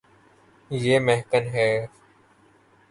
یے مہکن ہے